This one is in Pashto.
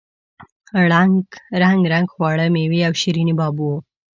رنګ رنګ خواړه میوې او شیریني باب وو.